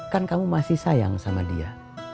kan kamu masih sayang sama dia